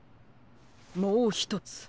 もうひとつ。